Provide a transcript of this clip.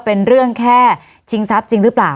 วันนี้แม่ช่วยเงินมากกว่า